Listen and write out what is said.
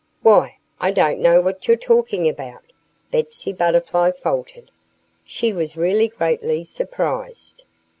"Why, I don't know what you're talking about!" Betsy Butterfly faltered. She was really greatly surprised.